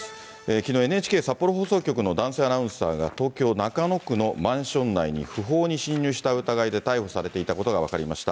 きのう、ＮＨＫ札幌放送局の男性アナウンサーが、東京・中野区のマンション内に不法に侵入した疑いで逮捕されていたことが分かりました。